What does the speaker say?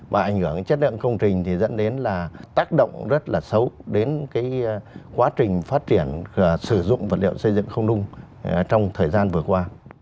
và ảnh hưởng đến chất lượng công trình thì dẫn đến là tác động rất là xấu đến quá trình phát triển sử dụng vật liệu xây dựng không nung trong thời gian vừa qua